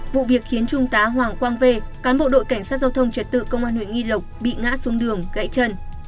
vụ việc khiến trung tá hoàng quang v cán bộ đội cảnh sát giao thông trật tự công an huyện nghi lộc bị ngã xuống đường gãy chân